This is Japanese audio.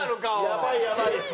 やばいやばい。